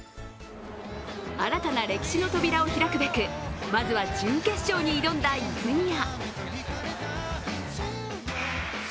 新たな歴史の扉を開くべくまずは準決勝に挑んだ泉谷。